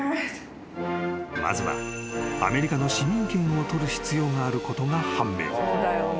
［まずはアメリカの市民権を取る必要があることが判明］